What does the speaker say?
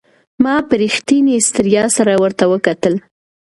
ما په رښتینې ستړیا سره ورته وکتل.